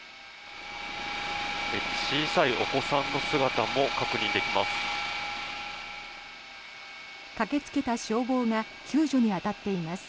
小さいお子さんの姿も確認できます。